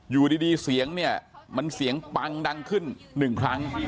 อยู่ดีเสียงเนี่ยมันเสียงปังดังขึ้นหนึ่งครั้ง